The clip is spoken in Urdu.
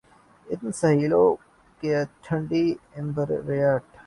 ان ساحلوں کی ٹھنڈی عنبرین ریت